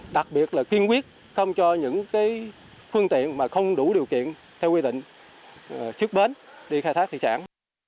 đặc biệt là kiên quyết không cho những phương tiện mà không đủ điều kiện theo quy định trước bến đi khai thác thủy sản